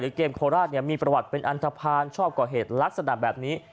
เกมโคราชมีประวัติเป็นอันทภาณชอบก่อเหตุลักษณะแบบนี้